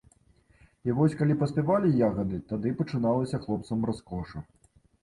І вось, калі паспявалі ягады, тады пачыналася хлопцам раскоша.